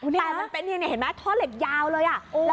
แต่เนี่ยถ้าเหล็กยาวเลยอ่ะ